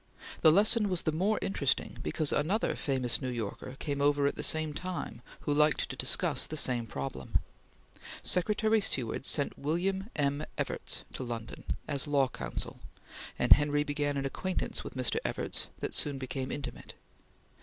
The lesson was the more interesting because another famous New Yorker came over at the same time who liked to discuss the same problem. Secretary Seward sent William M. Evarts to London as law counsel, and Henry began an acquaintance with Mr. Evarts that soon became intimate.